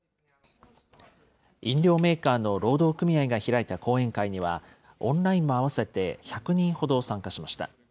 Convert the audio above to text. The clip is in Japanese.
飲料メーカーの労働組合が開いた講演会には、オンラインも合わせて１００人ほど参加しました。